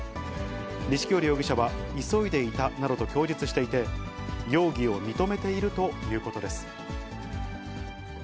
錦織容疑者は急いでいたなどと供述していて、容疑を認めているということです。